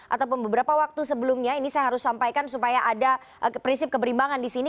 ataupun beberapa waktu sebelumnya ini saya harus sampaikan supaya ada prinsip keberimbangan di sini